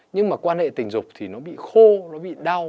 nhưng mà quan hệ tình dục thì nó bị khô nó bị đau